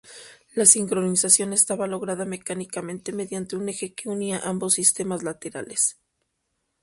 La sincronización estaba lograda mecánicamente mediante un eje que unía ambos sistemas laterales.